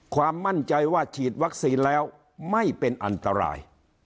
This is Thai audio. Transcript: ความมั่นใจว่าฉีดวัคซีนแล้วไม่เป็นอันตราย